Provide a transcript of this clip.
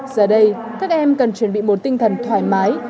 giờ đây các em cần chuẩn bị một tinh thần thoải mái